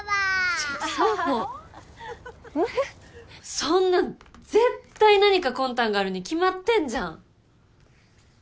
そんなの絶対何か魂胆があるに決まってんじゃん。